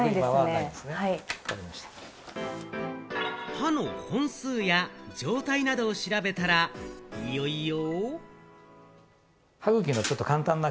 歯の本数や状態などを調べたら、いよいよ。